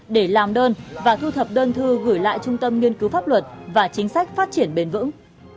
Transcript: để làm đơn và thu thập đơn thư gửi lại trung tâm nghiên cứu pháp luật và chính sách phát triển bền vững